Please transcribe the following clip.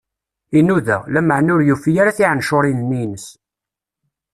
Inuda, lameɛna ur yufi ara tiɛencuṛin-nni-ines.